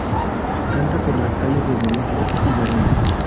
Canta por las calles de Venecia y Verona.